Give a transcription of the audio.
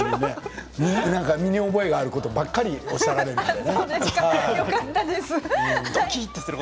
身に覚えがあることばかりおっしゃるんですよね。